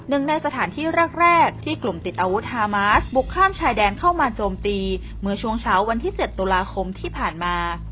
หนึ่งในสถานที่แรกที่กลุ่มติดอาวุธฮามาสบุกข้ามชายแดนเข้ามาโจมตีเมื่อช่วงเช้าวันที่๗ตุลาคมที่ผ่านมา